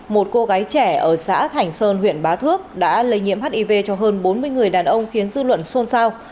một cô gái trẻ ở xã thành sơn huyện bá thước đã lây nhiễm hiv cho hơn bốn mươi người đàn ông khiến dư luận xôn xao